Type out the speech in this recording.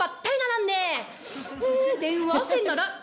ん電話せんなら。